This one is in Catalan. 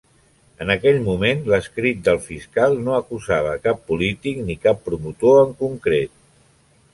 En aquell moment, l'escrit del fiscal no acusava cap polític ni cap promotor en concret.